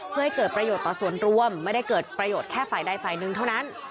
เพื่อให้เกิดประโยชน์ต่อส่วนรวมไม่ได้เกิดประโยชน์แค่ฝ่ายใดฝ่ายหนึ่งเท่านั้น